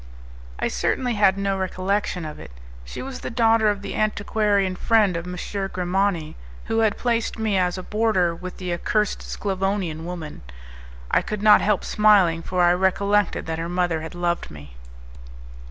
I certainly had no recollection of it. She was the daughter of the antiquarian friend of M. Grimani, who had placed me as a boarder with the accursed Sclavonian woman. I could not help smiling, for I recollected that her mother had loved me.